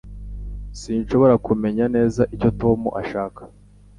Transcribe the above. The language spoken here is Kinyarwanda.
Sinshobora kumenya neza icyo Tom ashaka